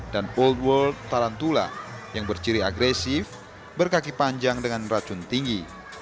dan old world tarantula yang berkaki panjang dengan racun tinggi